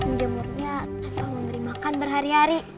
menjemurnya atau memberi makan berhari hari